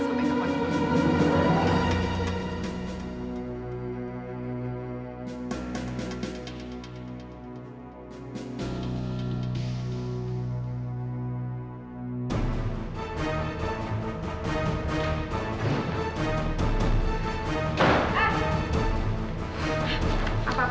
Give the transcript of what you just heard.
selamat mengalami kamu